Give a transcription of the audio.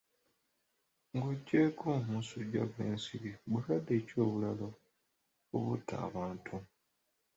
Ng'oggyeko omusujja gw'ensiri, bulwadde ki obulala obutta abantu?